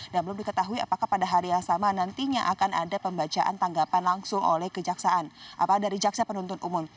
dan belum diketahui apakah pada hari yang sama nantinya akan ada pembacaan tanggapan langsung oleh kejaksaan apalagi dari jaksa penuntut umum